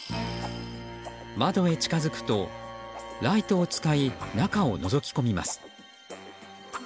窓へ近づくと、ライトを使い中をのぞき込みます。